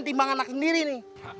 timbang anak sendiri nih